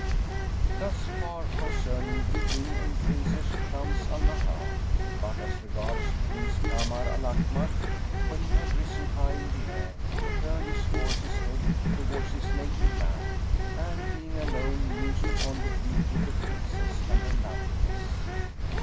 Thus far concerning the King and Princess Shams al Nahαr; but as regards Prince Kamar al Akmar, when he had risen high in air, he turned his horse's head towards his native land, and being alone mused upon the beauty of the Princess and her loveliness.